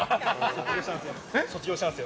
卒業したんですよ。